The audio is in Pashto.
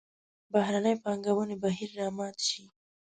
بهرنۍ پانګونې بهیر را مات شي.